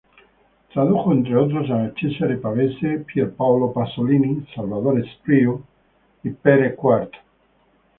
Tradujo, entre otros, a Cesare Pavese, Pier Paolo Pasolini, Salvador Espriu y Pere Quart.